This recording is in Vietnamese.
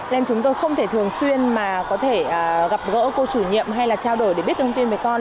nên chúng tôi không thể thường xuyên mà có thể gặp gỡ cô chủ nhiệm hay là trao đổi để biết thông tin với con